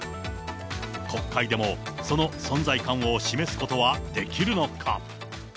国会でもその存在感を示すことはできるのか。